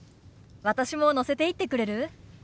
私も乗せていってくれる？